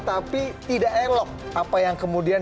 tapi tidak elok apa yang kemudian